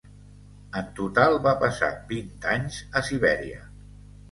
En total va passar vint anys a Sibèria.